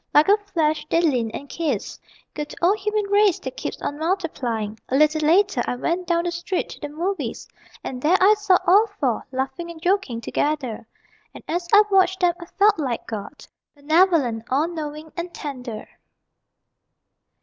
Like a flash, they leaned and kissed. Good old human race that keeps on multiplying! A little later I went down the street to the movies, And there I saw all four, laughing and joking together. And as I watched them I felt like God Benevolent, all knowing, and tender.